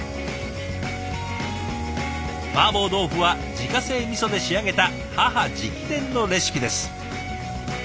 マーボー豆腐は自家製みそで仕上げた母直伝のレシピです。